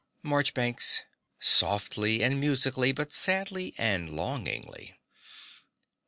MARCHBANKS (softly and musically, but sadly and longingly).